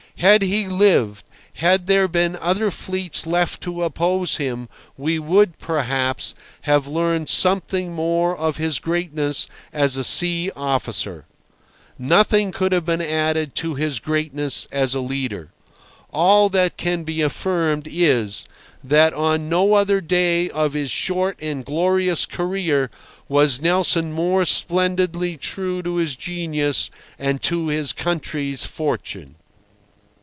Had he lived, had there been other fleets left to oppose him, we would, perhaps, have learned something more of his greatness as a sea officer. Nothing could have been added to his greatness as a leader. All that can be affirmed is, that on no other day of his short and glorious career was Lord Nelson more splendidly true to his genius and to his country's fortune.